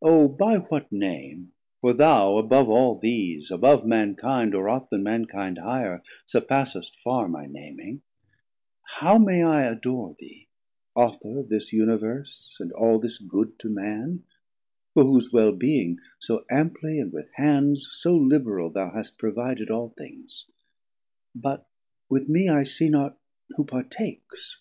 O by what Name, for thou above all these, Above mankinde, or aught then mankinde higher, Surpassest farr my naming, how may I Adore thee, Author of this Universe, 360 And all this good to man, for whose well being So amply, and with hands so liberal Thou hast provided all things: but with mee I see not who partakes.